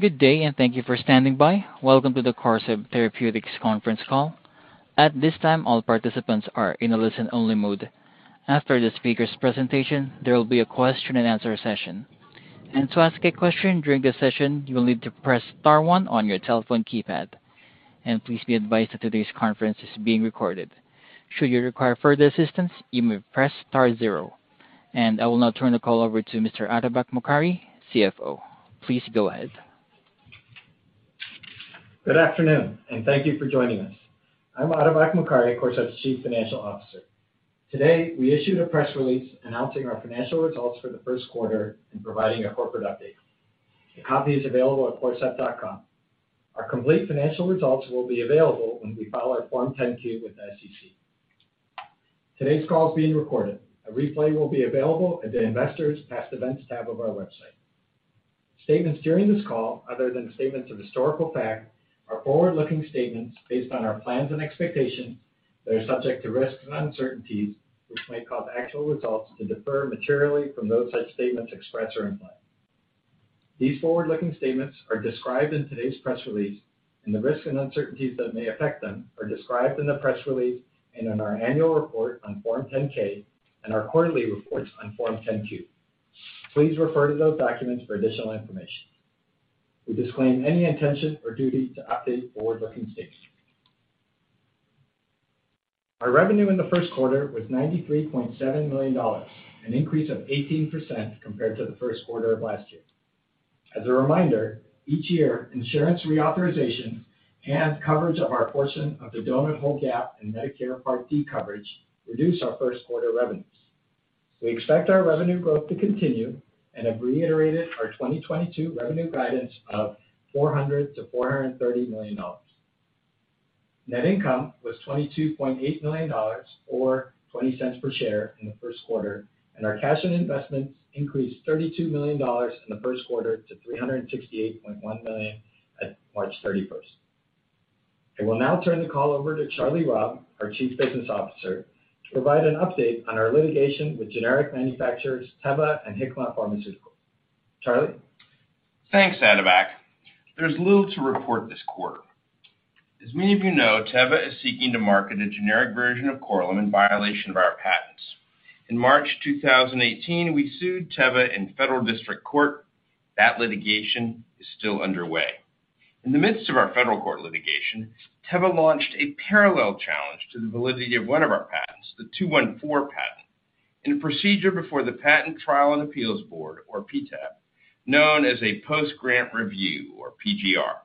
Good day, thank you for standing by. Welcome to the Corcept Therapeutics conference call. At this time, all participants are in a listen-only mode. After the speaker's presentation, there will be a question-and-answer session. To ask a question during the session, you will need to press star one on your telephone keypad. Please be advised that today's conference is being recorded. Should you require further assistance, you may press star zero. I will now turn the call over to Mr. Atabak Mokari, CFO. Please go ahead. Good afternoon and thank you for joining us. I'm Atabak Mokari, Corcept's Chief Financial Officer. Today, we issued a press release announcing our financial results for the first quarter and providing a corporate update. A copy is available at corcept.com. Our complete financial results will be available when we file our Form 10-K with the SEC. Today's call is being recorded. A replay will be available at the Investors Past Events tab of our website. Statements during this call, other than statements of historical fact, are forward-looking statements based on our plans and expectations that are subject to risks and uncertainties, which may cause actual results to differ materially from those such statements express or imply. These forward-looking statements are described in today's press release, and the risks and uncertainties that may affect them are described in the press release and in our annual report on Form 10-K and our quarterly reports on Form 10-Q. Please refer to those documents for additional information. We disclaim any intention or duty to update forward-looking statements. Our revenue in the first quarter was $93.7 million, an increase of 18% compared to the first quarter of last year. As a reminder, each year, insurance reauthorization and coverage of our portion of the donut hole gap in Medicare Part D coverage reduce our first quarter revenues. We expect our revenue growth to continue and have reiterated our 2022 revenue guidance of $400 million-$430 million. Net income was $22.8 million or $0.20 per share in the first quarter, and our cash and investments increased $32 million in the first quarter to $368.1 million at March 31. I will now turn the call over to Charlie Robb, our Chief Business Officer, to provide an update on our litigation with generic manufacturers Teva and Hikma Pharmaceuticals. Charlie? Thanks, Atabak. There's little to report this quarter. As many of you know, Teva is seeking to market a generic version of Korlym in violation of our patents. In March 2018, we sued Teva in federal district court. That litigation is still underway. In the midst of our federal court litigation, Teva launched a parallel challenge to the validity of one of our patents, the '214 patent, in a procedure before the Patent Trial and Appeal Board, or PTAB, known as a post grant review or PGR.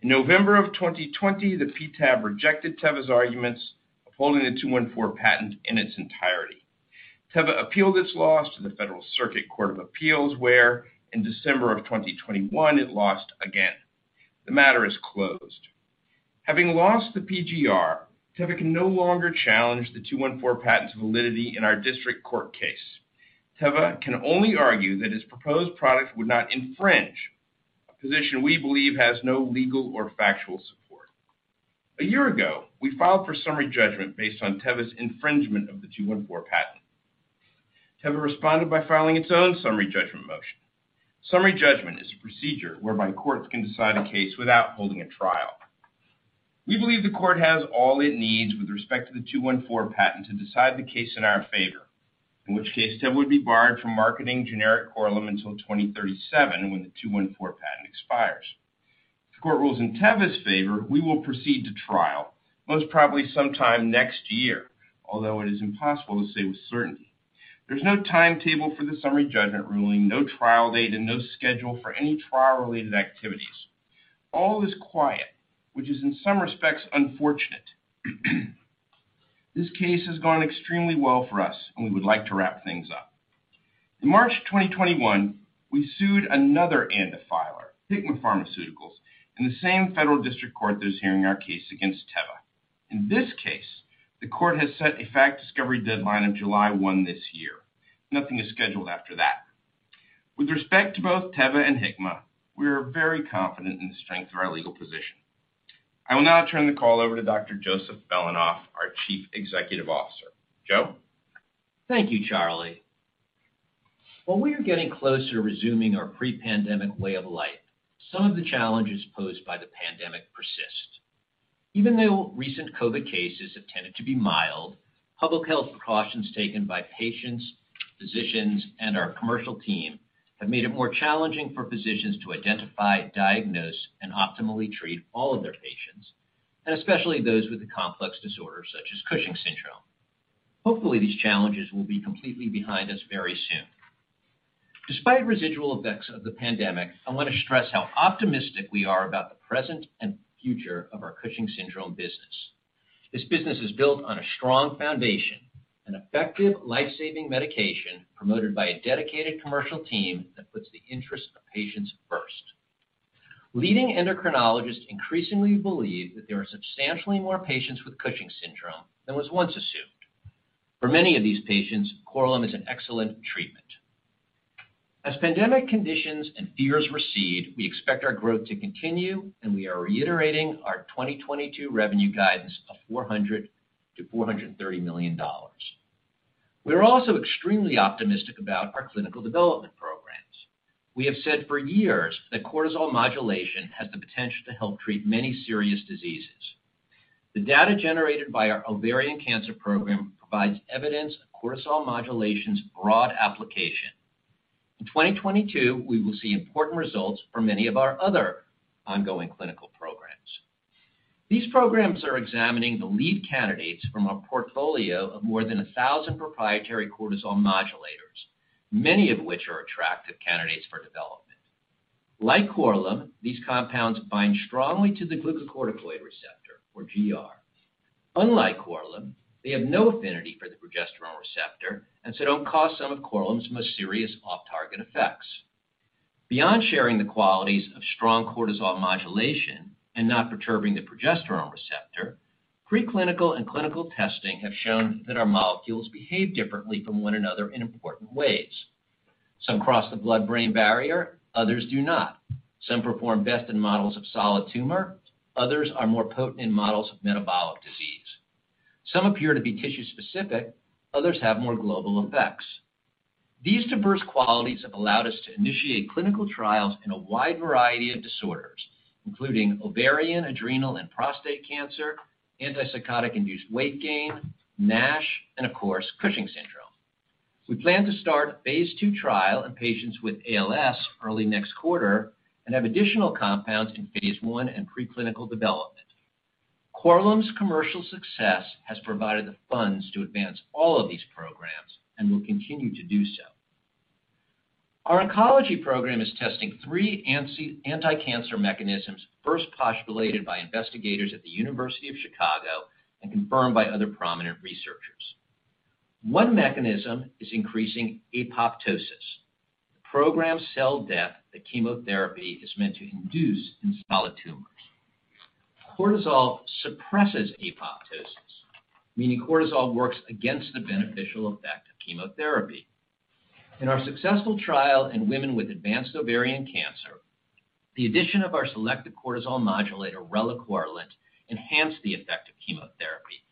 In November 2020, the PTAB rejected Teva's arguments, upholding the '214 patent in its entirety. Teva appealed its loss to the Federal Circuit Court of Appeals, where in December 2021, it lost again. The matter is closed. Having lost the PGR, Teva can no longer challenge the '214 patent's validity in our district court case. Teva can only argue that its proposed product would not infringe, a position we believe has no legal or factual support. A year ago, we filed for summary judgment based on Teva's infringement of the '214 patent. Teva responded by filing its own summary judgment motion. Summary judgment is a procedure whereby courts can decide a case without holding a trial. We believe the court has all it needs with respect to the '214 patent to decide the case in our favor, in which case Teva would be barred from marketing generic Korlym until 2037 when the '214 patent expires. If the court rules in Teva's favor, we will proceed to trial, most probably sometime next year, although it is impossible to say with certainty. There's no timetable for the summary judgment ruling, no trial date, and no schedule for any trial-related activities. All is quiet, which is in some respects unfortunate. This case has gone extremely well for us, and we would like to wrap things up. In March 2021, we sued another ANDA filer, Hikma Pharmaceuticals, in the same federal district court that is hearing our case against Teva. In this case, the court has set a fact discovery deadline of July 1 this year. Nothing is scheduled after that. With respect to both Teva and Hikma, we are very confident in the strength of our legal position. I will now turn the call over to Dr. Joseph K. Belanoff, our Chief Executive Officer. Joe? Thank you, Charlie. While we are getting closer to resuming our pre-pandemic way of life, some of the challenges posed by the pandemic persist. Even though recent COVID cases have tended to be mild, public health precautions taken by patients, physicians, and our commercial team have made it more challenging for physicians to identify, diagnose, and optimally treat all of their patients, and especially those with a complex disorder such as Cushing's syndrome. Hopefully, these challenges will be completely behind us very soon. Despite residual effects of the pandemic, I want to stress how optimistic we are about the present and future of our Cushing's syndrome business. This business is built on a strong foundation, an effective life-saving medication promoted by a dedicated commercial team that puts the interests of patients first. Leading endocrinologists increasingly believe that there are substantially more patients with Cushing's syndrome than was once assumed. For many of these patients, Korlym is an excellent treatment. As pandemic conditions and fears recede, we expect our growth to continue, and we are reiterating our 2022 revenue guidance of $400 million-$430 million. We are also extremely optimistic about our clinical development programs. We have said for years that cortisol modulation has the potential to help treat many serious diseases. The data generated by our ovarian cancer program provides evidence of cortisol modulation's broad application. In 2022, we will see important results for many of our other ongoing clinical programs. These programs are examining the lead candidates from a portfolio of more than 1,000 proprietary cortisol modulators, many of which are attractive candidates for development. Like Korlym, these compounds bind strongly to the glucocorticoid receptor, or GR. Unlike Korlym, they have no affinity for the progesterone receptor and so don't cause some of Korlym's most serious off-target effects. Beyond sharing the qualities of strong cortisol modulation and not perturbing the progesterone receptor, preclinical and clinical testing have shown that our molecules behave differently from one another in important ways. Some cross the blood-brain barrier, others do not. Some perform best in models of solid tumor, others are more potent in models of metabolic disease. Some appear to be tissue-specific, others have more global effects. These diverse qualities have allowed us to initiate clinical trials in a wide variety of disorders, including ovarian, adrenal, and prostate cancer, antipsychotic-induced weight gain, NASH, and of course, Cushing's syndrome. We plan to start a phase 2 trial in patients with ALS early next quarter and have additional compounds in phase 1 and preclinical development. Korlym's commercial success has provided the funds to advance all of these programs and will continue to do so. Our oncology program is testing three anti-cancer mechanisms first postulated by investigators at the University of Chicago and confirmed by other prominent researchers. One mechanism is increasing apoptosis, the programmed cell death that chemotherapy is meant to induce in solid tumors. Cortisol suppresses apoptosis, meaning cortisol works against the beneficial effect of chemotherapy. In our successful trial in women with advanced ovarian cancer, the addition of our selective cortisol modulator, Relacorilant, enhanced the effect of chemotherapy,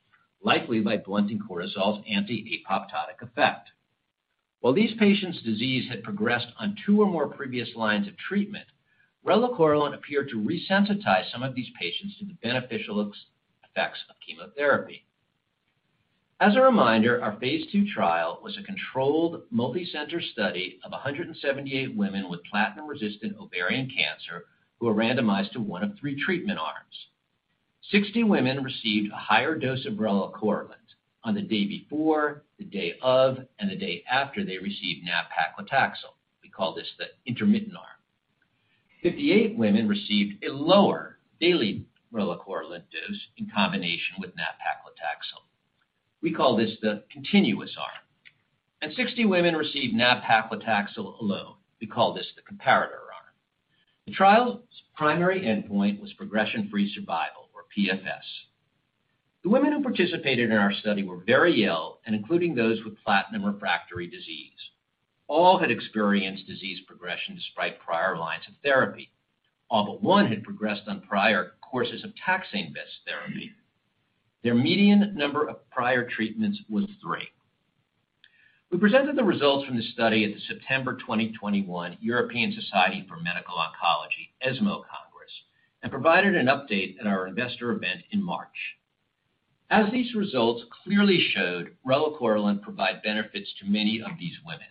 likely by blunting cortisol's anti-apoptotic effect. While these patients' disease had progressed on two or more previous lines of treatment, Relacorilant appeared to resensitize some of these patients to the beneficial effects of chemotherapy. As a reminder, our phase 2 trial was a controlled, multicenter study of 178 women with platinum-resistant ovarian cancer who were randomized to one of three treatment arms. 60 women received a higher dose of Relacorilant on the day before, the day of, and the day after they received nab-paclitaxel. We call this the intermittent arm. 58 women received a lower daily Relacorilant dose in combination with nab-paclitaxel. We call this the continuous arm. Sixty women received nab-paclitaxel alone. We call this the comparator arm. The trial's primary endpoint was progression-free survival, or PFS. The women who participated in our study were very ill, including those with platinum-refractory disease. All had experienced disease progression despite prior lines of therapy. All but one had progressed on prior courses of taxane-based therapy. Their median number of prior treatments was three. We presented the results from the study at the September 2021 European Society for Medical Oncology (ESMO) Congress and provided an update at our investor event in March. As these results clearly showed, Relacorilant provide benefits to many of these women.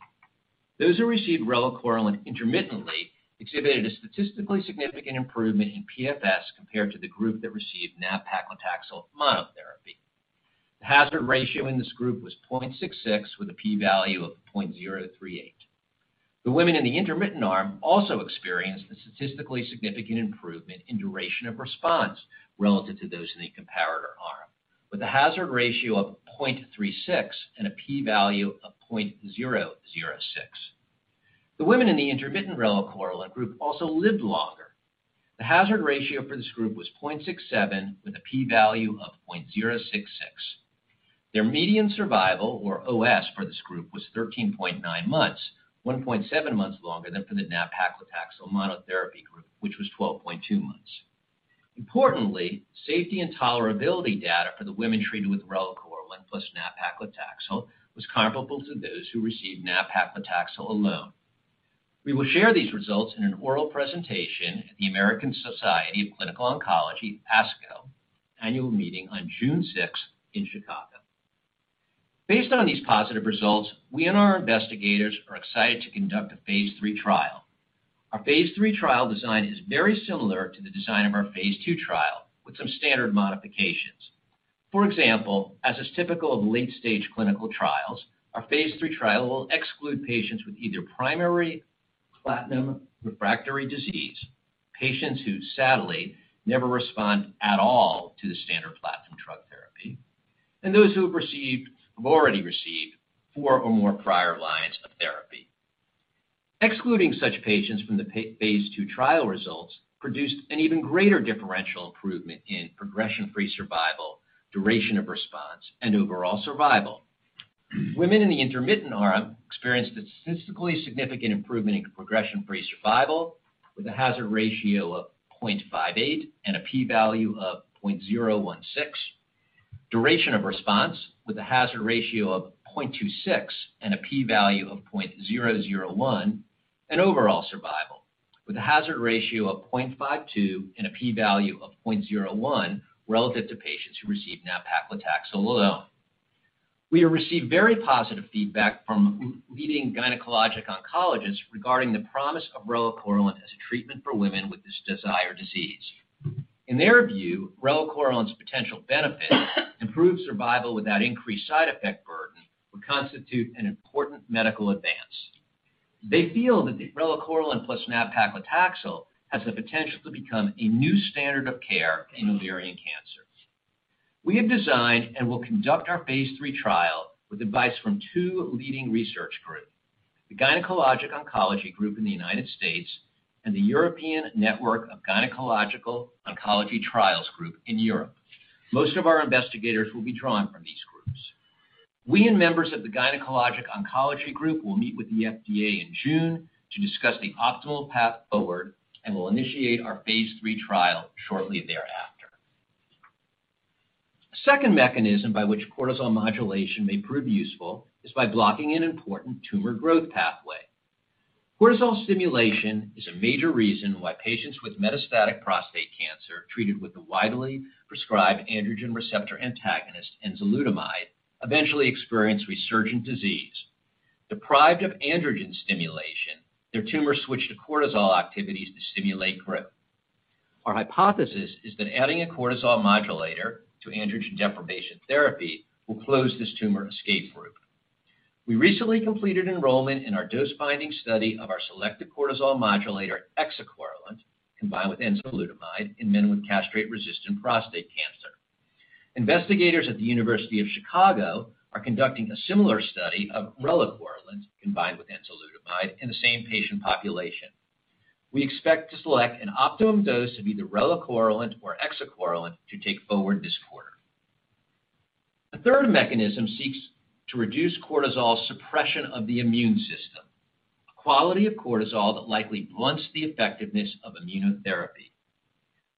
Those who received Relacorilant intermittently exhibited a statistically significant improvement in PFS compared to the group that received nab-paclitaxel monotherapy. The hazard ratio in this group was 0.66 with a p-value of 0.038. The women in the intermittent arm also experienced a statistically significant improvement in duration of response relative to those in the comparator arm, with a hazard ratio of 0.36 and a p-value of 0.006. The women in the intermittent Relacorilant group also lived longer. The hazard ratio for this group was 0.67 with a p-value of 0.066. Their median survival, or OS, for this group was 13.9 months, 1.7 months longer than for the nab-paclitaxel monotherapy group, which was 12.2 months. Importantly, safety and tolerability data for the women treated with Relacorilant plus nab-paclitaxel was comparable to those who received nab-paclitaxel alone. We will share these results in an oral presentation at the American Society of Clinical Oncology, ASCO, annual meeting on June 6 in Chicago. Based on these positive results, we and our investigators are excited to conduct a phase 3 trial. Our phase 3 trial design is very similar to the design of our phase 2 trial, with some standard modifications. For example, as is typical of late-stage clinical trials, our phase 3 trial will exclude patients with either primary platinum-refractory disease, patients who sadly never respond at all to the standard platinum drug therapy, and those who have already received four or more prior lines of therapy. Excluding such patients from the phase 2 trial results produced an even greater differential improvement in progression-free survival, duration of response, and overall survival. Women in the intermittent arm experienced a statistically significant improvement in progression-free survival. With a hazard ratio of 0.58 and a P value of 0.016. Duration of response with a hazard ratio of 0.26 and a P value of 0.001. Overall survival with a hazard ratio of 0.52 and a P value of 0.01 relative to patients who received nab-paclitaxel alone. We have received very positive feedback from leading gynecologic oncologists regarding the promise of Relacorilant as a treatment for women with this dire disease. In their view, Relacorilant's potential benefit, improved survival without increased side effect burden, would constitute an important medical advance. They feel that the Relacorilant plus nab-paclitaxel has the potential to become a new standard of care in ovarian cancer. We have designed and will conduct our phase 3 trial with advice from two leading research groups, the Gynecologic Oncology Group in the United States and the European Network of Gynaecological Oncological Trial Groups in Europe. Most of our investigators will be drawn from these groups. We and members of the Gynecologic Oncology Group will meet with the FDA in June to discuss the optimal path forward and will initiate our phase 3 trial shortly thereafter. Second mechanism by which cortisol modulation may prove useful is by blocking an important tumor growth pathway. Cortisol stimulation is a major reason why patients with metastatic prostate cancer treated with the widely prescribed androgen receptor antagonist enzalutamide eventually experience resurgent disease. Deprived of androgen stimulation, their tumors switch to cortisol activities to stimulate growth. Our hypothesis is that adding a cortisol modulator to androgen deprivation therapy will close this tumor escape route. We recently completed enrollment in our dose-finding study of our selective cortisol modulator, exicorilant, combined with enzalutamide in men with castrate-resistant prostate cancer. Investigators at the University of Chicago are conducting a similar study of Relacorilant combined with enzalutamide in the same patient population. We expect to select an optimum dose of either Relacorilant or exicorilant to take forward this quarter. The third mechanism seeks to reduce cortisol suppression of the immune system, a quality of cortisol that likely blunts the effectiveness of immunotherapy.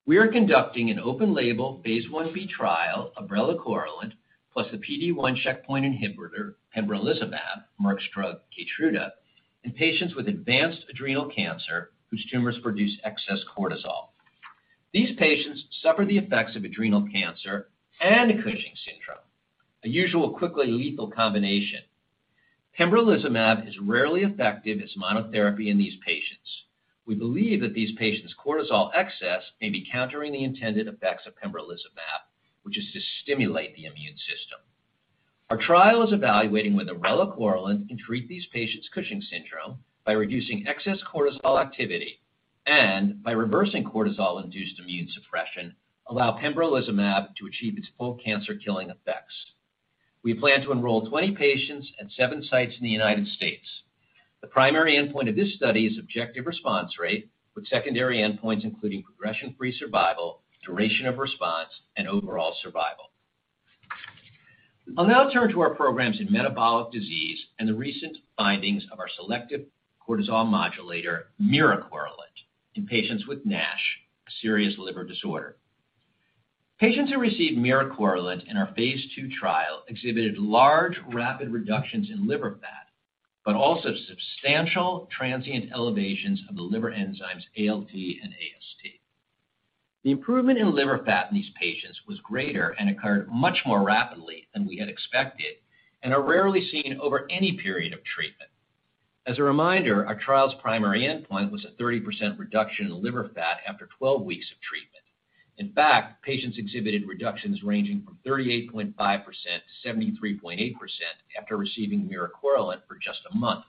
We are conducting an open-label phase 1b trial of Relacorilant plus the PD-1 checkpoint inhibitor pembrolizumab, Merck's drug Keytruda, in patients with advanced adrenal cancer whose tumors produce excess cortisol. These patients suffer the effects of adrenal cancer and Cushing's syndrome, a usually quickly lethal combination. Pembrolizumab is rarely effective as monotherapy in these patients. We believe that these patients' cortisol excess may be countering the intended effects of pembrolizumab, which is to stimulate the immune system. Our trial is evaluating whether Relacorilant can treat these patients' Cushing's syndrome by reducing excess cortisol activity and by reversing cortisol-induced immune suppression, allow pembrolizumab to achieve its full cancer-killing effects. We plan to enroll 20 patients at seven sites in the United States. The primary endpoint of this study is objective response rate with secondary endpoints including progression-free survival, duration of response, and overall survival. I'll now turn to our programs in metabolic disease and the recent findings of our selective cortisol modulator, miricorilant, in patients with NASH, a serious liver disorder. Patients who received miricorilant in our phase 2 trial exhibited large rapid reductions in liver fat, but also substantial transient elevations of the liver enzymes ALT and AST. The improvement in liver fat in these patients was greater and occurred much more rapidly than we had expected and are rarely seen over any period of treatment. As a reminder, our trial's primary endpoint was a 30% reduction in liver fat after 12 weeks of treatment. In fact, patients exhibited reductions ranging from 38.5%-73.8% after receiving miricorilant for just a month.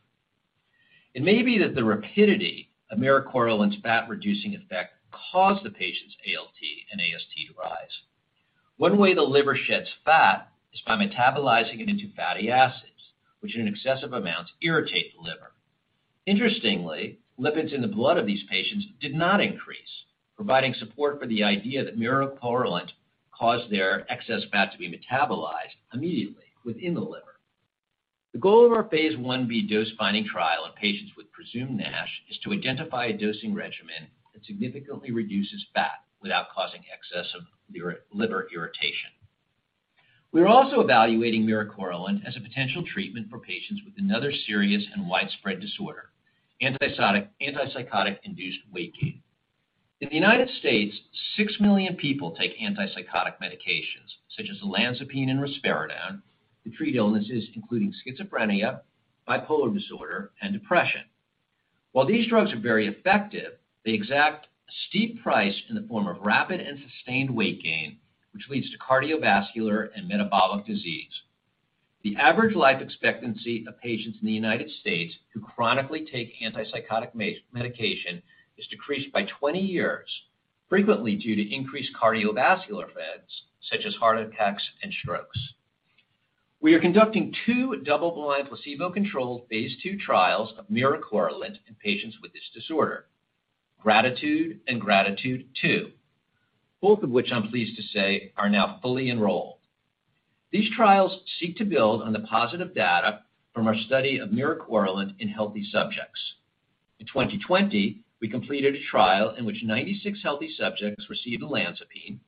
It may be that the rapidity of miricorilant's fat-reducing effect caused the patient's ALT and AST to rise. One way the liver sheds fat is by metabolizing it into fatty acids, which in excessive amounts irritate the liver. Interestingly, lipids in the blood of these patients did not increase, providing support for the idea that miricorilant caused their excess fat to be metabolized immediately within the liver. The goal of our phase 1b dose-finding trial in patients with presumed NASH is to identify a dosing regimen that significantly reduces fat without causing excess liver irritation. We are also evaluating miricorilant as a potential treatment for patients with another serious and widespread disorder, antipsychotic-induced weight gain. In the United States, six million people take antipsychotic medications such as olanzapine and risperidone to treat illnesses including schizophrenia, bipolar disorder, and depression. While these drugs are very effective, they exact a steep price in the form of rapid and sustained weight gain, which leads to cardiovascular and metabolic disease. The average life expectancy of patients in the United States who chronically take antipsychotic medication is decreased by 20 years, frequently due to increased cardiovascular events such as heart attacks and strokes. We are conducting two double-blind placebo-controlled phase two trials of miricorilant in patients with this disorder, GRATITUDE and GRATITUDE II, both of which I'm pleased to say are now fully enrolled. These trials seek to build on the positive data from our study of miricorilant in healthy subjects. In 2020, we completed a trial in which 96 healthy subjects received olanzapine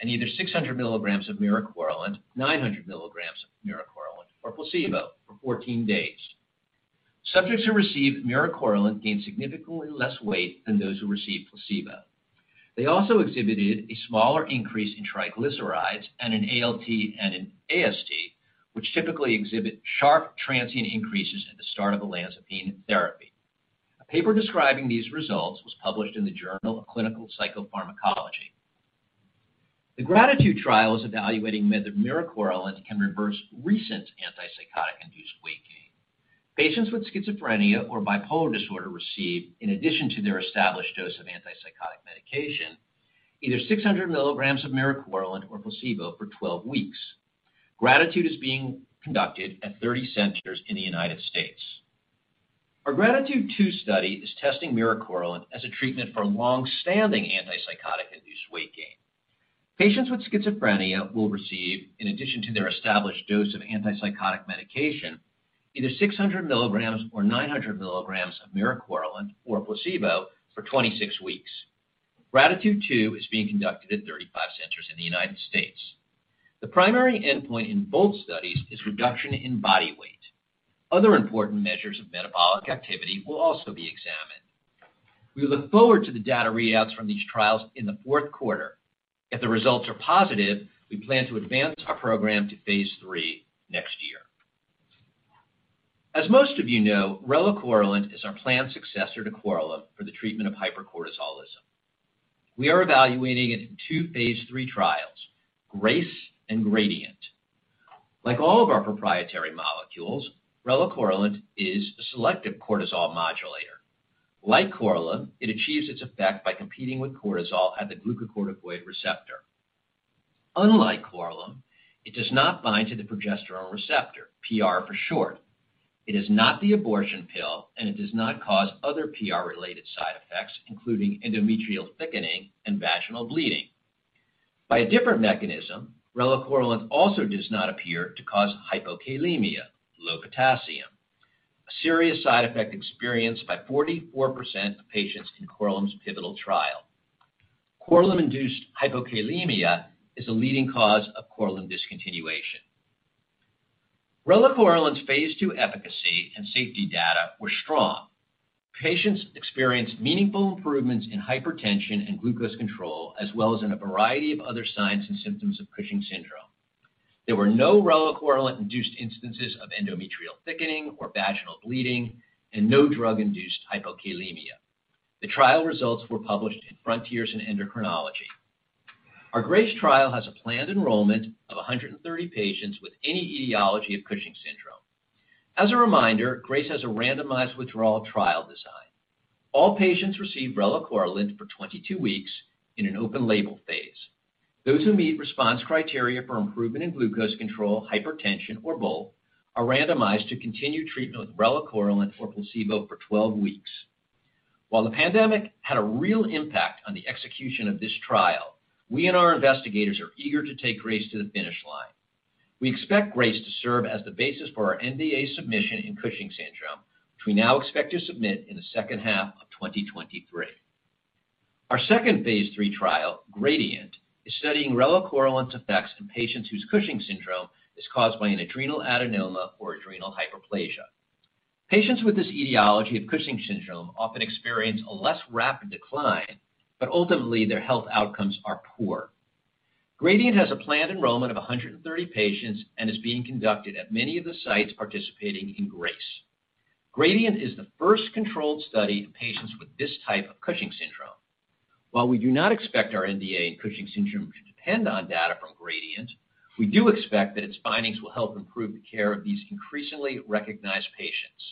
and either 600 milligrams of miricorilant, 900 milligrams of miricorilant, or placebo for 14 days. Subjects who received miricorilant gained significantly less weight than those who received placebo. They also exhibited a smaller increase in triglycerides and in ALT and in AST, which typically exhibit sharp transient increases at the start of olanzapine therapy. A paper describing these results was published in the Journal of Clinical Psychopharmacology. The GRATITUDE trial is evaluating whether miricorilant can reverse recent antipsychotic-induced weight gain. Patients with schizophrenia or bipolar disorder receive, in addition to their established dose of antipsychotic medication, either 600 milligrams of miricorilant or placebo for 12 weeks. GRATITUDE is being conducted at 30 centers in the United States. Our GRATITUDE II study is testing miricorilant as a treatment for long-standing antipsychotic-induced weight gain. Patients with schizophrenia will receive, in addition to their established dose of antipsychotic medication, either 600 milligrams or 900 milligrams of miricorilant or a placebo for 26 weeks. GRATITUDE II is being conducted at 35 centers in the United States. The primary endpoint in both studies is reduction in body weight. Other important measures of metabolic activity will also be examined. We look forward to the data readouts from these trials in the fourth quarter. If the results are positive, we plan to advance our program to phase 3 next year. As most of you know, Relacorilant is our planned successor to Korlym for the treatment of hypercortisolism. We are evaluating it in two, phase 3 trials, GRACE and GRADIENT. Like all of our proprietary molecules, Relacorilant is a selective cortisol modulator. Like Korlym, it achieves its effect by competing with cortisol at the glucocorticoid receptor. Unlike Korlym, it does not bind to the progesterone receptor, PR for short. It is not the abortion pill, and it does not cause other PR-related side effects, including endometrial thickening and vaginal bleeding. By a different mechanism, Relacorilant also does not appear to cause hypokalemia, low potassium, a serious side effect experienced by 44% of patients in Korlym's pivotal trial. Korlym-induced hypokalemia is a leading cause of Korlym discontinuation. Relacorilant's phase 2 efficacy and safety data were strong. Patients experienced meaningful improvements in hypertension and glucose control, as well as in a variety of other signs and symptoms of Cushing's syndrome. There were no Relacorilant-induced instances of endometrial thickening or vaginal bleeding and no drug-induced hypokalemia. The trial results were published in Frontiers in Endocrinology. Our GRACE trial has a planned enrollment of 130 patients with any etiology of Cushing's syndrome. As a reminder, GRACE has a randomized withdrawal trial design. All patients receive Relacorilant for 22 weeks in an open-label phase. Those who meet response criteria for improvement in glucose control, hypertension or both, are randomized to continue treatment with Relacorilant or placebo for 12 weeks. While the pandemic had a real impact on the execution of this trial, we and our investigators are eager to take GRACE to the finish line. We expect GRACE to serve as the basis for our NDA submission in Cushing's syndrome, which we now expect to submit in the second half of 2023. Our second phase 3 trial, GRADIENT, is studying Relacorilant's effects in patients whose Cushing's syndrome is caused by an adrenal adenoma or adrenal hyperplasia. Patients with this etiology of Cushing's syndrome often experience a less rapid decline, but ultimately their health outcomes are poor. GRADIENT has a planned enrollment of 130 patients and is being conducted at many of the sites participating in GRACE. GRADIENT is the first controlled study in patients with this type of Cushing's syndrome. While we do not expect our NDA in Cushing's syndrome to depend on data from GRADIENT, we do expect that its findings will help improve the care of these increasingly recognized patients.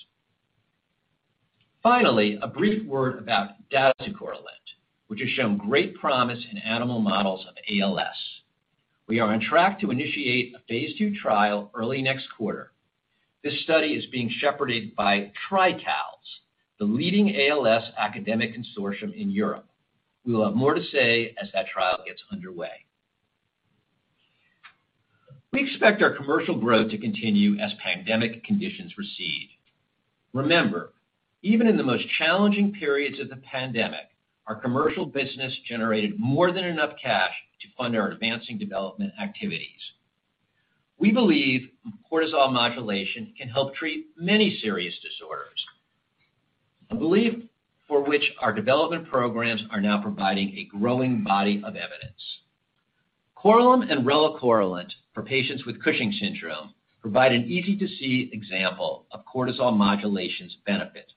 Finally, a brief word about dazucorilant, which has shown great promise in animal models of ALS. We are on track to initiate a phase 2 trial early next quarter. This study is being shepherded by TRICALS, the leading ALS academic consortium in Europe. We will have more to say as that trial gets underway. We expect our commercial growth to continue as pandemic conditions recede. Remember, even in the most challenging periods of the pandemic, our commercial business generated more than enough cash to fund our advancing development activities. We believe cortisol modulation can help treat many serious disorders, a belief for which our development programs are now providing a growing body of evidence. Korlym and Relacorilant for patients with Cushing's syndrome provide an easy to see example of cortisol modulation's benefit.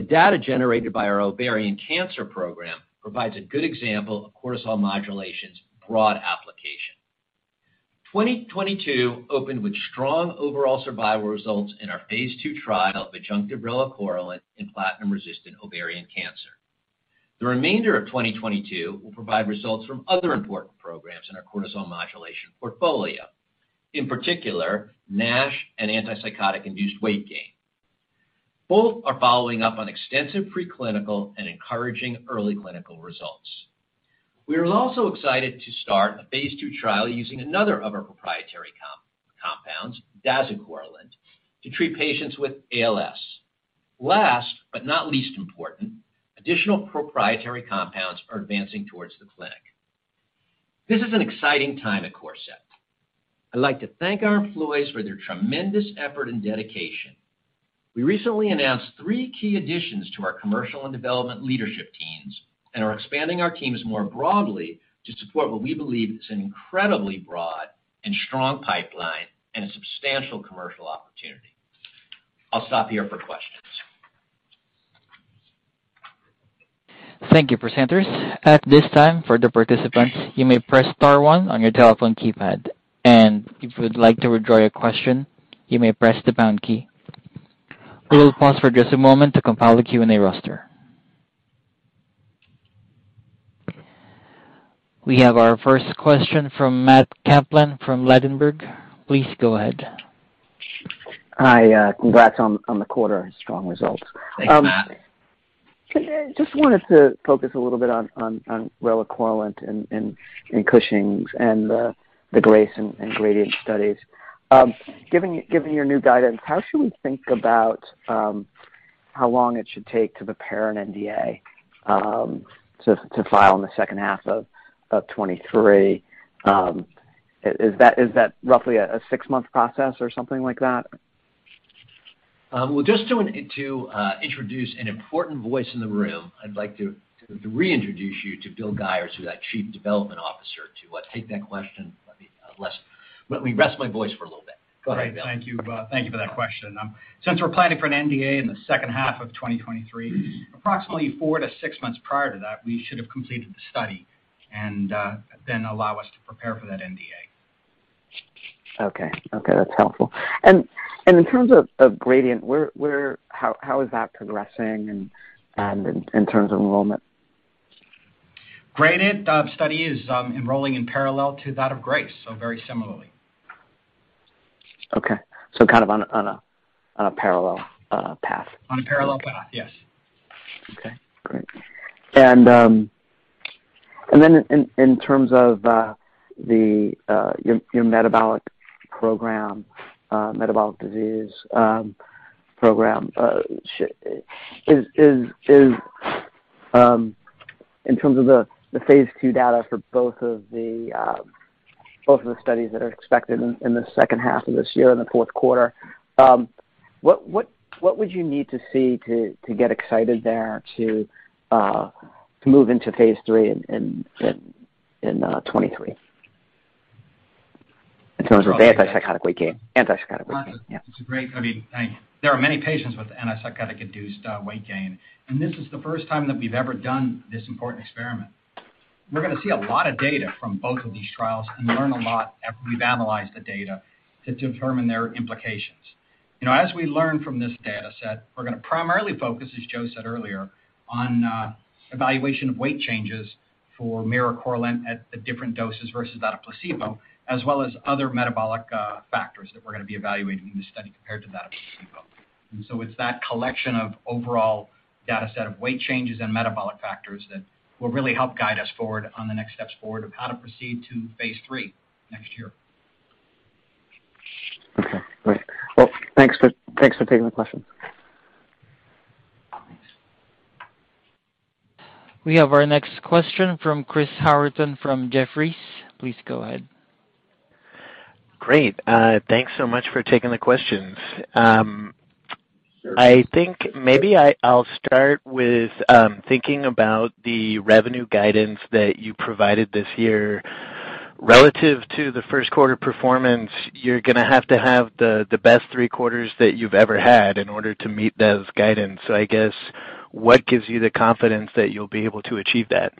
The data generated by our ovarian cancer program provides a good example of cortisol modulation's broad application. 2022 opened with strong overall survival results in our phase 2 trial of adjunctive Relacorilant in platinum-resistant ovarian cancer. The remainder of 2022 will provide results from other important programs in our cortisol modulation portfolio, in particular NASH and antipsychotic-induced weight gain. Both are following up on extensive preclinical and encouraging early clinical results. We are also excited to start a phase 2 trial using another of our proprietary compounds, dazucorilant, to treat patients with ALS. Last but not least important, additional proprietary compounds are advancing towards the clinic. This is an exciting time at Corcept. I'd like to thank our employees for their tremendous effort and dedication. We recently announced 3 key additions to our commercial and development leadership teams and are expanding our teams more broadly to support what we believe is an incredibly broad and strong pipeline and a substantial commercial opportunity. I'll stop here for questions. Thank you, presenters. At this time, for the participants, you may press star one on your telephone keypad. If you would like to withdraw your question, you may press the pound key. We will pause for just a moment to compile the Q&A roster. We have our first question from Matthew Kaplan from Ladenburg Thalmann. Please go ahead. Hi. Congrats on the quarter, strong results. Thanks, Matt. Just wanted to focus a little bit on Relacorilant and Cushing's and the GRACE and GRADIENT studies. Giving your new guidance, how should we think about how long it should take to prepare an NDA to file in the second half of 2023? Is that roughly a six-month process or something like that? Well, just to introduce an important voice in the room, I'd like to reintroduce you to William Guyer, who's our Chief Development Officer, to take that question. Let me rest my voice for a little bit. Go ahead, Bill. Great. Thank you. Thank you for that question. Since we're planning for an NDA in the second half of 2023, approximately 4-6 months prior to that, we should have completed the study and then allow us to prepare for that NDA. Okay. Okay, that's helpful. In terms of GRADIENT, how is that progressing and in terms of enrollment? GRADIENT study is enrolling in parallel to that of GRACE, so very similarly. Okay. Kind of on a parallel path. On a parallel path, yes. Okay, great. In terms of your metabolic program, metabolic disease program, in terms of the phase 2 data for both of the studies that are expected in the second half of this year, in the fourth quarter, what would you need to see to get excited there to move into phase 3 in 2023? In terms of the antipsychotic weight gain. I mean, there are many patients with antipsychotic-induced weight gain, and this is the first time that we've ever done this important experiment. We're gonna see a lot of data from both of these trials and learn a lot after we've analyzed the data to determine their implications. You know, as we learn from this data set, we're gonna primarily focus, as Joe said earlier, on evaluation of weight changes for miricorilant at the different doses versus that of placebo, as well as other metabolic factors that we're gonna be evaluating in this study compared to that of placebo. It's that collection of overall data set of weight changes and metabolic factors that will really help guide us forward on the next steps forward of how to proceed to phase 3 next year. Okay, great. Well, thanks for taking the question. We have our next question from Chris Howerton from Jefferies. Please go ahead. Great. Thanks so much for taking the questions. Sure. I think maybe I'll start with thinking about the revenue guidance that you provided this year. Relative to the first quarter performance, you're gonna have to have the best three quarters that you've ever had in order to meet those guidance. I guess, what gives you the confidence that you'll be able to achieve that?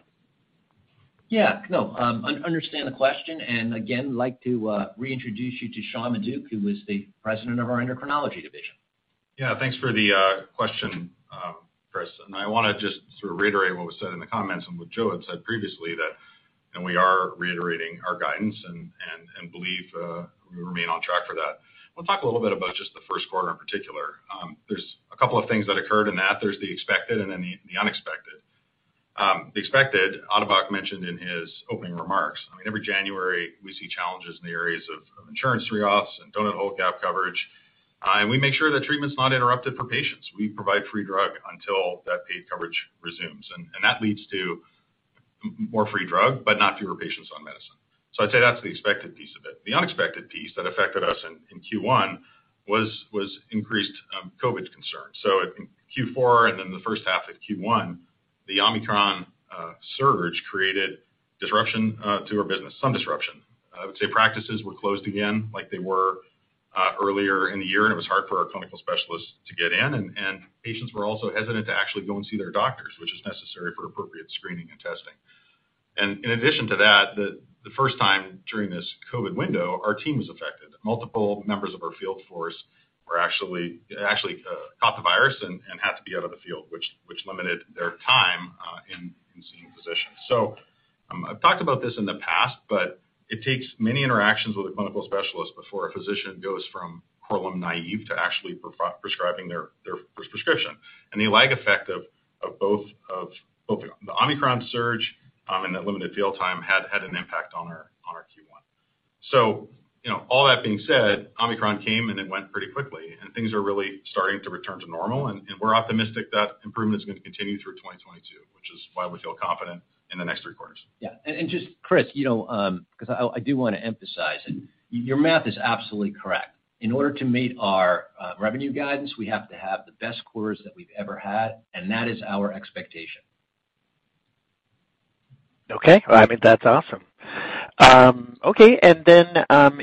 Yeah. No. I understand the question, and again, like to reintroduce you to Sean Maduck, who is the President of our endocrinology division. Yeah. Thanks for the question, Chris. I wanna just sort of reiterate what was said in the comments and what Joe had said previously that we are reiterating our guidance and believe we remain on track for that. We'll talk a little bit about just the first quarter in particular. There's a couple of things that occurred in that. There's the expected and then the unexpected. The expected, Atabak mentioned in his opening remarks. I mean, every January, we see challenges in the areas of insurance write-offs and donut hole gap coverage. We make sure that treatment's not interrupted for patients. We provide free drug until that paid coverage resumes. That leads to more free drug, but not fewer patients on medicine. I'd say that's the expected piece of it. The unexpected piece that affected us in Q1 was increased COVID concerns. In Q4 and then the first half of Q1, the Omicron surge created disruption to our business. Some disruption. I would say practices were closed again like they were earlier in the year, and it was hard for our clinical specialists to get in. Patients were also hesitant to actually go and see their doctors, which is necessary for appropriate screening and testing. In addition to that, the first time during this COVID window, our team was affected. Multiple members of our field force were actually caught the virus and had to be out of the field, which limited their time. Physician. I've talked about this in the past, but it takes many interactions with a clinical specialist before a physician goes from Korlym naive to actually pre-prescribing their first prescription. The lag effect of both the Omicron surge and the limited field time had an impact on our Q1. You know, all that being said, Omicron came and it went pretty quickly, and things are really starting to return to normal. We're optimistic that improvement is gonna continue through 2022, which is why we feel confident in the next three quarters. Just Chris, you know, 'cause I do wanna emphasize it. Your math is absolutely correct. In order to meet our revenue guidance, we have to have the best quarters that we've ever had, and that is our expectation. Okay. I mean, that's awesome.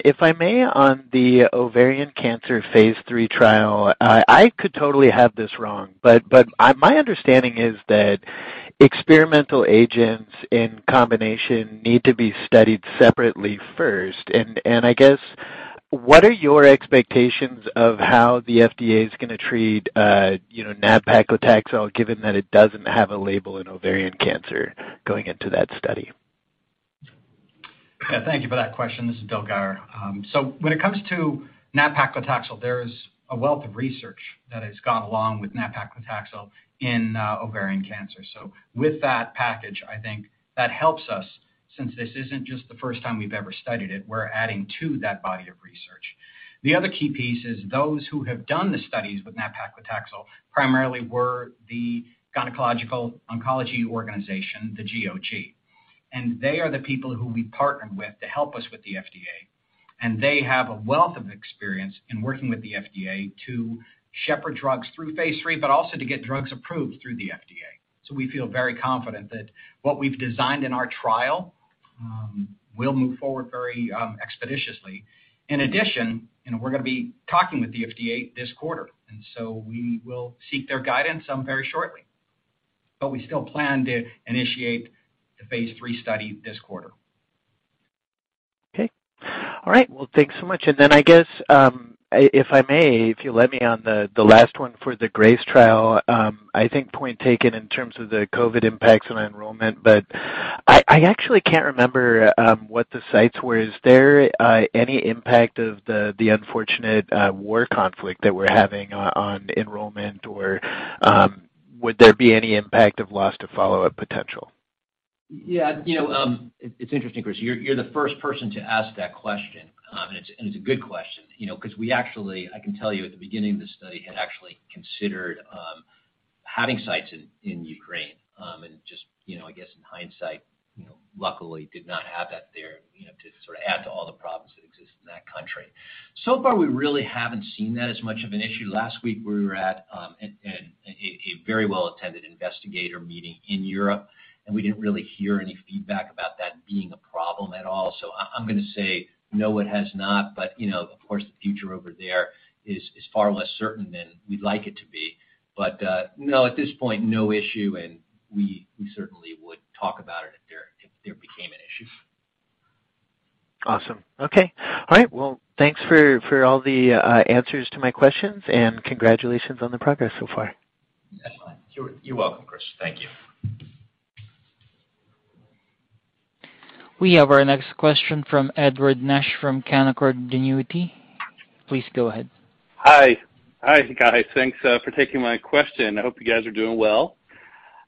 If I may, on the ovarian cancer phase 3 trial, I could totally have this wrong, but my understanding is that experimental agents in combination need to be studied separately first. I guess, what are your expectations of how the FDA is gonna treat nab-paclitaxel, given that it doesn't have a label in ovarian cancer going into that study? Yeah. Thank you for that question. This is Bill Guyer. When it comes to nab-paclitaxel, there is a wealth of research that has gone along with nab-paclitaxel in ovarian cancer. With that package, I think that helps us since this isn't just the first time we've ever studied it, we're adding to that body of research. The other key piece is those who have done the studies with nab-paclitaxel primarily were the Gynecologic Oncology Group, the GOG. They are the people who we partnered with to help us with the FDA, and they have a wealth of experience in working with the FDA to shepherd drugs through phase 3, but also to get drugs approved through the FDA. We feel very confident that what we've designed in our trial will move forward very expeditiously. In addition, you know, we're gonna be talking with the FDA this quarter, and so we will seek their guidance very shortly. We still plan to initiate the phase three study this quarter. Okay. All right. Well, thanks so much. Then I guess, if I may, if you let me on the last one for the GRACE trial. I think point taken in terms of the COVID impacts on enrollment, but I actually can't remember what the sites were. Is there any impact of the unfortunate war conflict that we're having on enrollment, or would there be any impact of loss to follow-up potential? Yeah, you know, it's interesting, Chris, you're the first person to ask that question. It's a good question, you know, 'cause I can tell you at the beginning of the study had actually considered having sites in Ukraine, and just, you know, I guess in hindsight, you know, luckily did not have that there, you know, to sort of add to all the problems that exist in that country. So far, we really haven't seen that as much of an issue. Last week, we were at a very well-attended investigator meeting in Europe, and we didn't really hear any feedback about that being a problem at all. I'm gonna say, no, it has not. You know, of course, the future over there is far less certain than we'd like it to be. No, at this point, no issue, and we certainly would talk about it if there became an issue. Awesome. Okay. All right. Well, thanks for all the answers to my questions, and congratulations on the progress so far. That's fine. You're welcome, Chris. Thank you. We have our next question from Edward Nash from Canaccord Genuity. Please go ahead. Hi. Hi, guys. Thanks for taking my question. I hope you guys are doing well.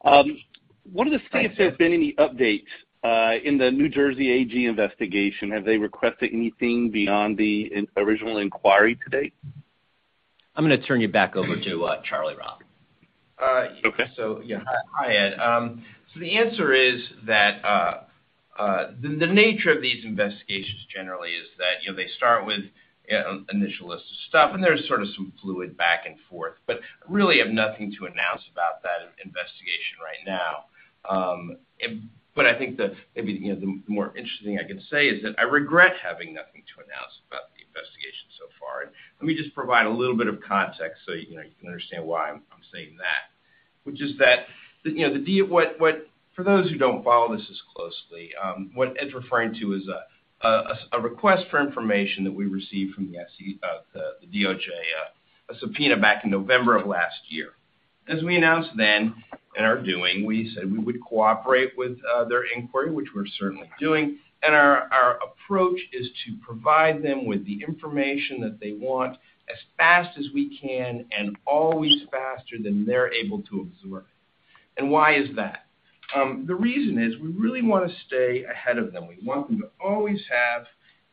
Wanted to see if there's been any updates in the New Jersey AG investigation. Have they requested anything beyond the original inquiry to date? I'm gonna turn you back over to Charlie Robb. Okay. Yeah. Hi, Ed. The answer is that the nature of these investigations generally is that, you know, they start with initial list of stuff, and there's sort of some fluid back and forth, but really have nothing to announce about that investigation right now. I think, maybe, you know, the more interesting I can say is that I regret having nothing to announce about the investigation so far. Let me just provide a little bit of context so, you know, you can understand why I'm saying that. Which is that, you know, for those who don't follow this as closely, what Ed's referring to is a request for information that we received from the DOJ, a subpoena back in November of last year. As we announced then in our doing, we said we would cooperate with their inquiry, which we're certainly doing. Our approach is to provide them with the information that they want as fast as we can and always faster than they're able to absorb. Why is that? The reason is we really wanna stay ahead of them. We want them to always have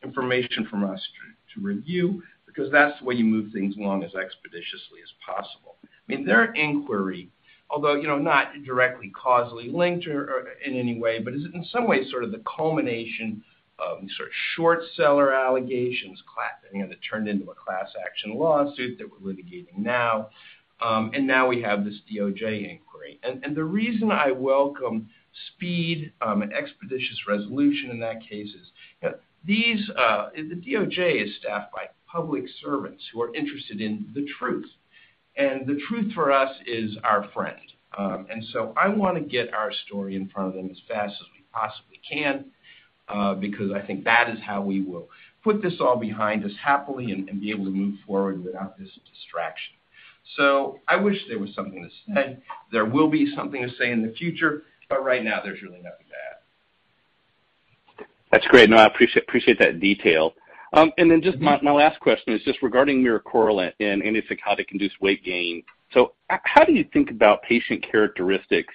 information from us to review because that's the way you move things along as expeditiously as possible. I mean, their inquiry, although you know not directly causally linked or in any way, but is in some way sort of the culmination of these sort of short seller allegations you know that turned into a class action lawsuit that we're litigating now, and now we have this DOJ inquiry. The reason I welcome speed and expeditious resolution in that case is, you know, these, the DOJ is staffed by public servants who are interested in the truth, and the truth for us is our friend. I wanna get our story in front of them as fast as we possibly can, because I think that is how we will put this all behind us happily and be able to move forward without this distraction. I wish there was something to say. There will be something to say in the future, but right now there's really nothing to add. That's great. No, I appreciate that detail. Just my last question is just regarding miricorilant and antipsychotic-induced weight gain. How do you think about patient characteristics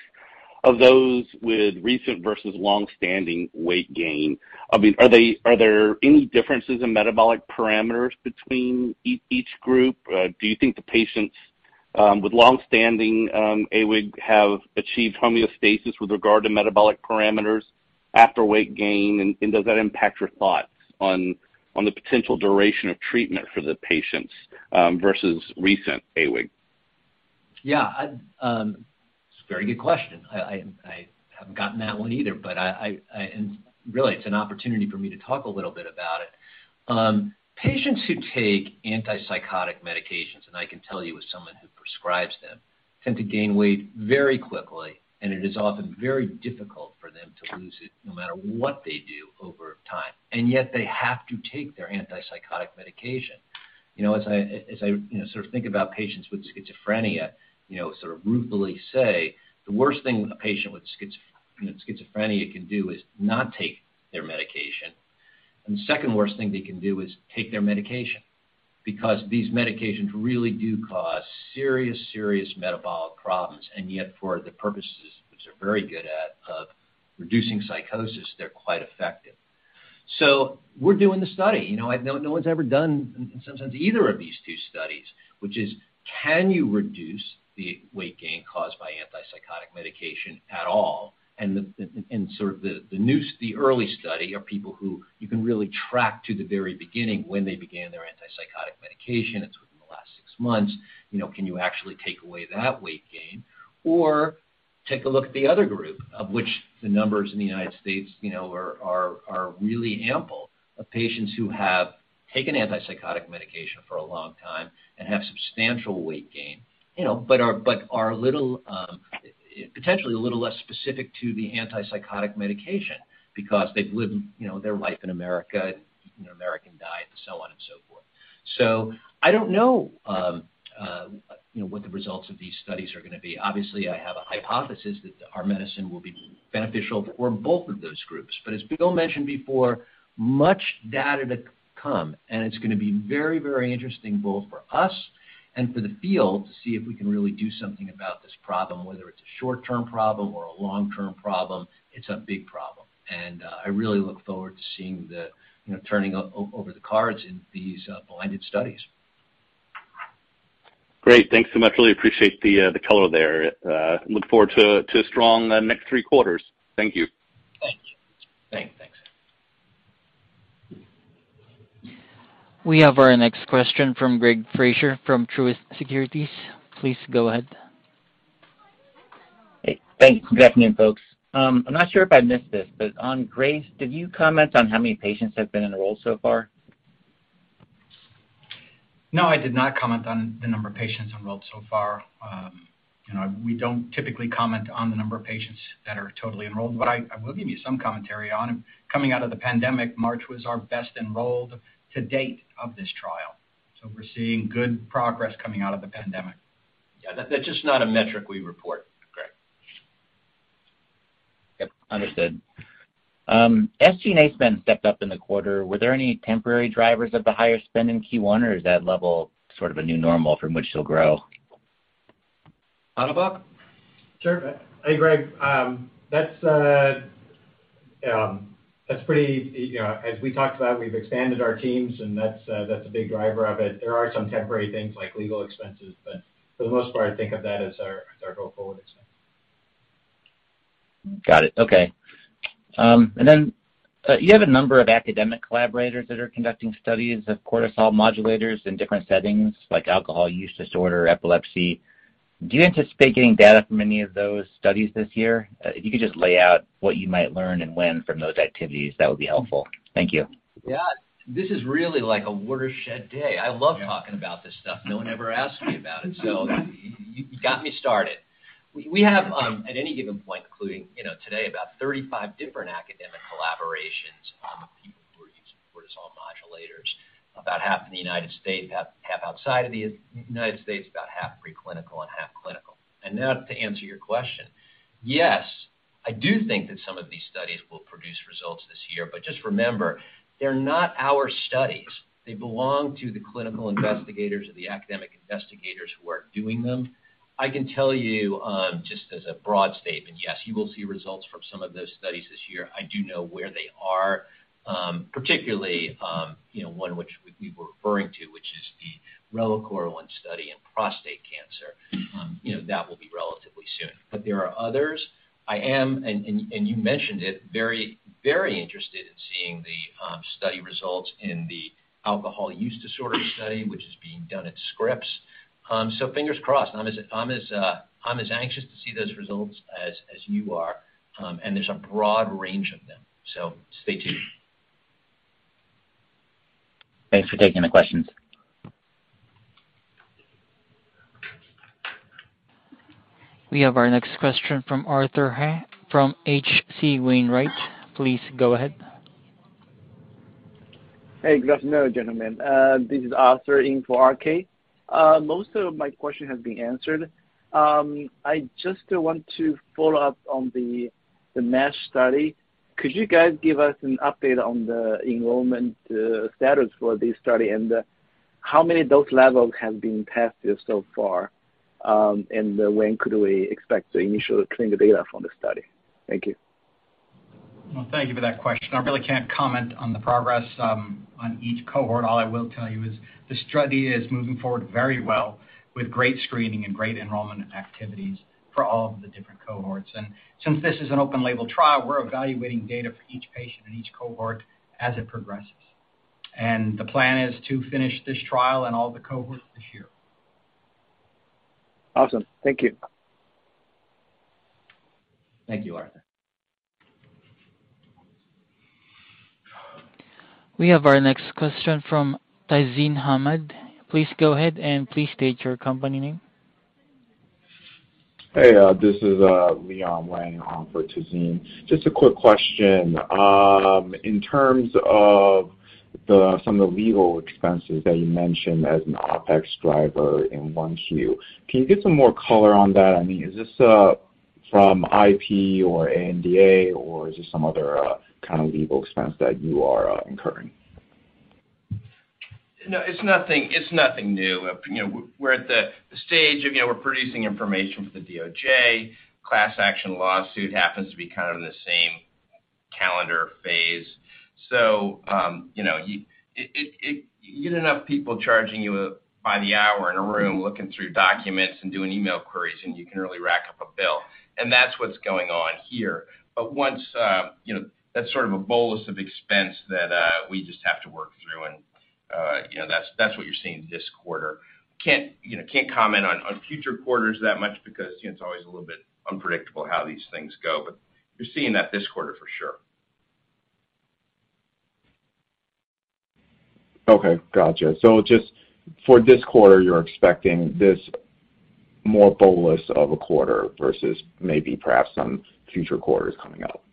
of those with recent versus long-standing weight gain? I mean, are there any differences in metabolic parameters between each group? Do you think the patients with long-standing AWID have achieved homeostasis with regard to metabolic parameters after weight gain? And does that impact your thoughts on the potential duration of treatment for the patients versus recent AWID? Yeah. It's a very good question. I haven't gotten that one either, and really, it's an opportunity for me to talk a little bit about it. Patients who take antipsychotic medications, and I can tell you as someone who prescribes them, tend to gain weight very quickly, and it is often very difficult for them to lose it no matter what they do over time. Yet, they have to take their antipsychotic medication. You know, as I you know, sort of think about patients with schizophrenia, you know, sort of ruefully say the worst thing a patient with schizophrenia can do is not take their medication, and the second worst thing they can do is take their medication. Because these medications really do cause serious metabolic problems, and yet for the purposes, which they're very good at, of reducing psychosis, they're quite effective. We're doing the study. You know, no one's ever done in some sense either of these two studies, which is, can you reduce the weight gain caused by antipsychotic medication at all? The new study and the early study are people who you can really track to the very beginning when they began their antipsychotic medication. It's within the last six months. You know, can you actually take away that weight gain? Take a look at the other group, of which the numbers in the United States, you know, are really ample of patients who have taken antipsychotic medication for a long time and have substantial weight gain. You know, but are little, potentially a little less specific to the antipsychotic medication because they've lived, you know, their life in America, an American diet and so on and so forth. I don't know, you know, what the results of these studies are gonna be. Obviously, I have a hypothesis that our medicine will be beneficial for both of those groups. As Bill mentioned before, much data to come, and it's gonna be very, very interesting both for us and for the field to see if we can really do something about this problem, whether it's a short-term problem or a long-term problem, it's a big problem. I really look forward to seeing the, you know, turning over the cards in these blinded studies. Great. Thanks so much. Really appreciate the color there. Look forward to strong next three quarters. Thank you. Thank you. Thanks. We have our next question from Gregory Fraser from Truist Securities. Please go ahead. Hey, thanks. Good afternoon, folks. I'm not sure if I missed this, but on GRACE, did you comment on how many patients have been enrolled so far? No, I did not comment on the number of patients enrolled so far. You know, we don't typically comment on the number of patients that are totally enrolled, but I will give you some commentary on them. Coming out of the pandemic, March was our best enrolled to date of this trial. We're seeing good progress coming out of the pandemic. Yeah, that's just not a metric we report, Greg. Yep, understood. SG&A spend stepped up in the quarter. Were there any temporary drivers of the higher spend in Q1, or is that level sort of a new normal from which you'll grow? Atabak? Sure. Hey, Greg. That's pretty, you know, as we talked about, we've expanded our teams, and that's a big driver of it. There are some temporary things like legal expenses, but for the most part, think of that as our go-forward expense. Got it. Okay. You have a number of academic collaborators that are conducting studies of cortisol modulators in different settings like alcohol use disorder, epilepsy. Do you anticipate getting data from any of those studies this year? If you could just lay out what you might learn and when from those activities, that would be helpful. Thank you. Yeah. This is really like a watershed day. I love talking about this stuff. No one ever asks me about it. So you got me started. We have, at any given point, including, you know, today, about 35 different academic collaborations, of people who are using cortisol modulators, about half in the United States, half outside of the United States, about half preclinical and half clinical. Now to answer your question, yes, I do think that some of these studies will produce results this year, but just remember, they're not our studies. They belong to the clinical investigators or the academic investigators who are doing them. I can tell you, just as a broad statement, yes, you will see results from some of those studies this year. I do know where they are, particularly, you know, one which we were referring to, which is the Relacorilant study in prostate cancer. That will be relatively soon. There are others. I am, and you mentioned it, very interested in seeing the study results in the alcohol use disorder study, which is being done at Scripps. Fingers crossed. I'm as anxious to see those results as you are. There's a broad range of them, so stay tuned. Thanks for taking the questions. We have our next question from Arthur He from H.C. Wainwright. Please go ahead. Hey, good afternoon, gentlemen. This is Arthur Ing for RK. Most of my question has been answered. I just want to follow up on the mesh study. Could you guys give us an update on the enrollment status for this study, and how many dose levels have been tested so far, and when could we expect the initial clean data from the study? Thank you. Well, thank you for that question. I really can't comment on the progress on each cohort. All I will tell you is this study is moving forward very well with great screening and great enrollment activities for all of the different cohorts. Since this is an open label trial, we're evaluating data for each patient and each cohort as it progresses. The plan is to finish this trial and all the cohorts this year. Awesome. Thank you. Thank you, Arthur. We have our next question from Tazeen Ahmad. Please go ahead, and please state your company name. Hey, this is Leon Wang for Tazeen. Just a quick question. In terms of some of the legal expenses that you mentioned as an OPEX driver in 1Q, can you give some more color on that? I mean, is this from IP or ANDA, or is this some other kind of legal expense that you are incurring? No, it's nothing, it's nothing new. You know, we're at the stage, again, we're producing information for the DOJ. Class action lawsuit happens to be kind of in the same calendar phase. You know, you get enough people charging you by the hour in a room, looking through documents and doing email queries, and you can really rack up a bill. That's what's going on here. Once you know, that's sort of a bolus of expense that we just have to work through and you know, that's what you're seeing this quarter. Can't you know, comment on future quarters that much because, you know, it's always a little bit unpredictable how these things go, but you're seeing that this quarter for sure. Okay. Gotcha. Just for this quarter, you're expecting this more bolus of a quarter versus maybe perhaps some future quarters coming up.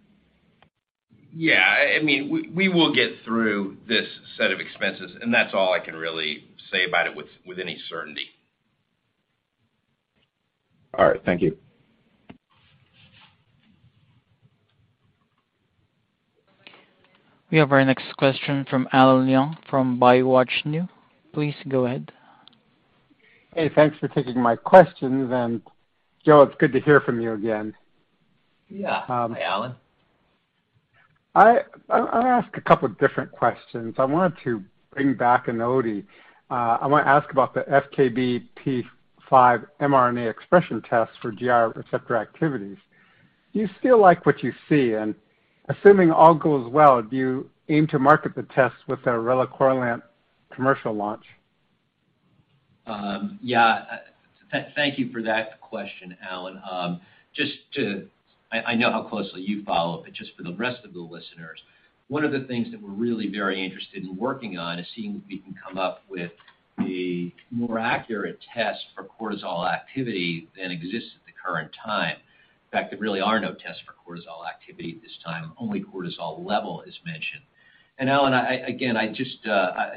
Yeah. I mean, we will get through this set of expenses, and that's all I can really say about it with any certainty. All right. Thank you. We have our next question from Alan Young from Biowatch News. Please go ahead. Hey, thanks for taking my questions. Joe, it's good to hear from you again. Yeah. Um. Hi, Alan. I'll ask a couple different questions. I wanted to bring back an OD. I wanna ask about the FKBP5 mRNA expression test for GR receptor activities. Do you feel like what you see, and assuming all goes well, do you aim to market the test with the Relacorilant commercial launch? Yeah. Thank you for that question, Alan. I know how closely you follow, but just for the rest of the listeners, one of the things that we're really very interested in working on is seeing if we can come up with a more accurate test for cortisol activity than exists at the current time. In fact, there really are no tests for cortisol activity at this time, only cortisol level is mentioned. Alan, again, I just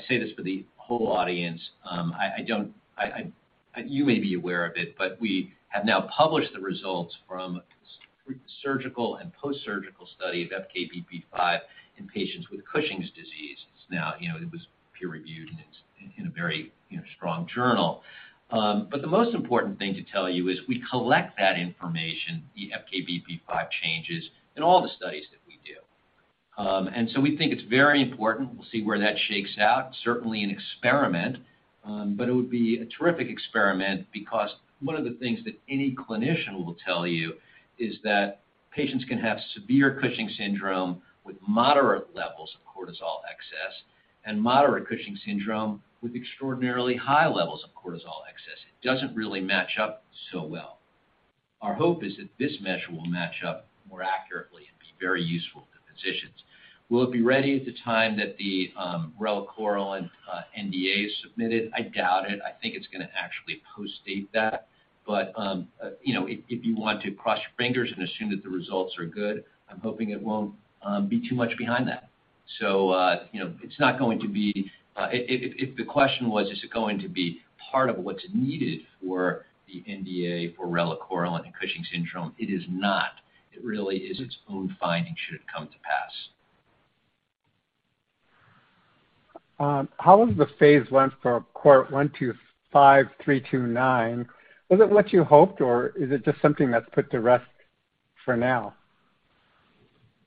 say this for the whole audience. You may be aware of it, but we have now published the results from the surgical and post-surgical study of FKBP5 in patients with Cushing's disease. It's now, you know, it was peer-reviewed in a very strong journal. The most important thing to tell you is we collect that information, the FKBP5 changes, in all the studies that we do. We think it's very important. We'll see where that shakes out. Certainly an experiment, it would be a terrific experiment because one of the things that any clinician will tell you is that patients can have severe Cushing's syndrome with moderate levels of cortisol excess and moderate Cushing's syndrome with extraordinarily high levels of cortisol excess. It doesn't really match up so well. Our hope is that this measure will match up more accurately and be very useful to physicians. Will it be ready at the time that the Relacorilant NDA is submitted? I doubt it. I think it's gonna actually postdate that. You know, if you want to cross your fingers and assume that the results are good, I'm hoping it won't be too much behind that. You know, it's not going to be. If the question was, is it going to be part of what's needed for the NDA for Relacorilant and Cushing's syndrome, it is not. It really is its own finding should it come to pass. How has the phase went for CORT125329? Was it what you hoped, or is it just something that's put to rest for now?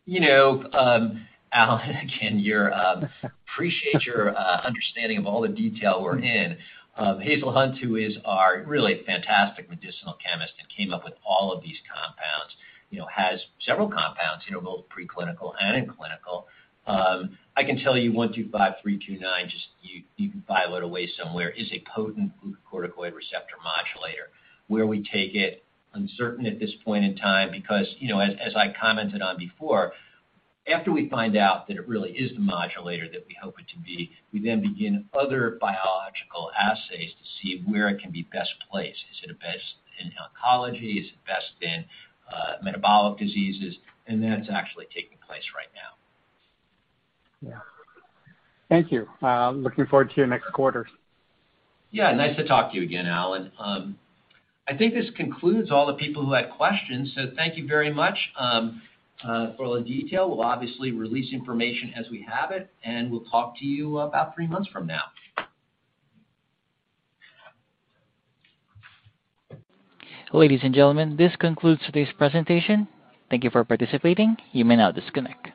You know, Alan, again, appreciate your understanding of all the detail we're in. Hazel Hunt, who is our really fantastic medicinal chemist that came up with all of these compounds, you know, has several compounds, you know, both preclinical and in clinical. I can tell you 125329, just you can file it away somewhere, is a potent glucocorticoid receptor modulator. Where we take it, uncertain at this point in time because, you know, as I commented on before, after we find out that it really is the modulator that we hope it to be, we then begin other biological assays to see where it can be best placed. Is it best in oncology? Is it best in metabolic diseases? That's actually taking place right now. Yeah. Thank you. Looking forward to your next quarter. Yeah, nice to talk to you again, Alan. I think this concludes all the people who had questions, so thank you very much. For all the detail, we'll obviously release information as we have it, and we'll talk to you about three months from now. Ladies and gentlemen, this concludes today's presentation. Thank you for participating. You may now disconnect.